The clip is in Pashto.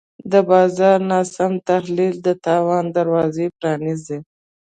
د بازار ناسم تحلیل د تاوان دروازه پرانیزي.